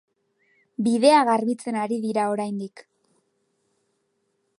Bidea garbitzen ari dira oraindik.